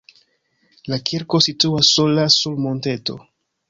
La kirko situas sola sur monteto.